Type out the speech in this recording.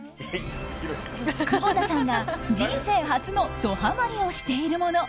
窪田さんが人生初のドハマリをしているもの